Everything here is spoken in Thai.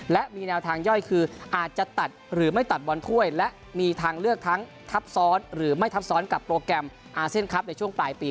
และมีแนวทางย่อยคืออาจจะตัดหรือไม่ตัดบอลถ้วยและมีทางเลือกทั้งทับซ้อนหรือไม่ทับซ้อนกับโปรแกรมอาเซียนคลับในช่วงปลายปี